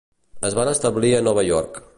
Es van establir en Nova York.